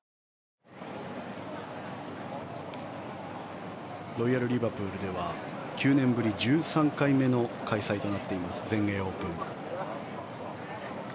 あロイヤル・リバプールでは９年ぶり１３回目の開催となっています全英オープン。